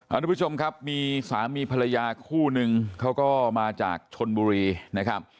ทุกผู้ชมครับมีสามีภรรยาคู่นึงเขาก็มาจากชนบุรีนะครับ